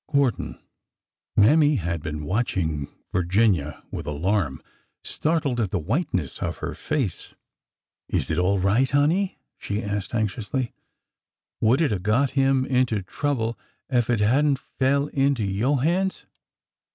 '' Gordon." Mammy had been watching Virginia with alarm — startled at the whiteness of her face. Is it all right, honey ?" she asked anxiously. Would it 'a' got him into trouble ef it had n't fell into yo^ hands?